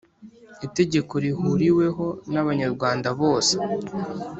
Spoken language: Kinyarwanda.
itegeko rihuriweho n Abanyarwanda bose